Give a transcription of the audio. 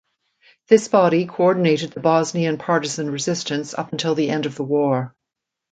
This body coordinated the Bosnian partisan resistance up until the end of the war.